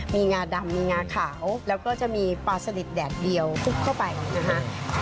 มีงาดำมีงาขาวแล้วก็จะมีปลาสลิดแดดเดียวฟุบเข้าไปนะคะ